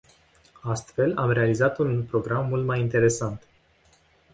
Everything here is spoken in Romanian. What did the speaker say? Astfel, am realizat un program mult mai interesant.